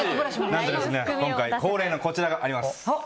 何と今回恒例のこちらがあります。